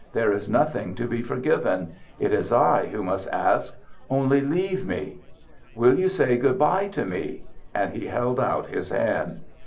There is nothing to be forgiven. It is I who must ask only leave me!" "Will you say good bye to me?" And he held out his hand.